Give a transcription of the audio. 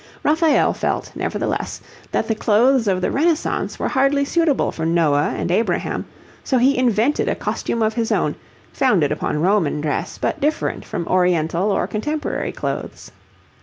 Raphael felt, nevertheless, that the clothes of the Renaissance were hardly suitable for Noah and Abraham, so he invented a costume of his own, founded upon Roman dress, but different from oriental or contemporary clothes.